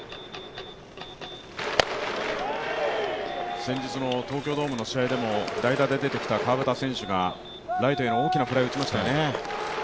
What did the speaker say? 先日の東京ドームの試合でも代打で出てきた川端選手がライトへの大きなフライを打ちましたよね。